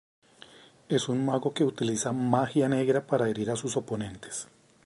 Es un mago que utiliza magia negra para herir a sus oponentes.